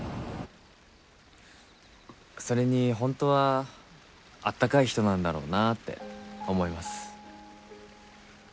それに本当はあったかい人なんだろうなって思います。